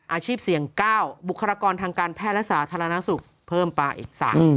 อาชีพเสี่ยง๙บุคลากรทางการแพทย์และสาธารณสุขเพิ่มปลาอีก๓